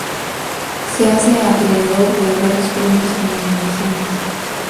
Se hace acreedor de varios premios y nominaciones.